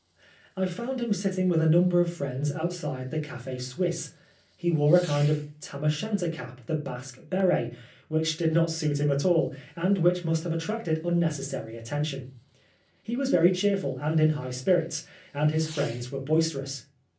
I found him sitting with a number of friends outside the Cafe Suisse. He wore a kind of Tarn o' Shanter cap, the Basque b6ret y which did not suit him at all, and which must have attracted unnecessary at tention. He was very cheerful and in high spirits, and his friends were boisterous.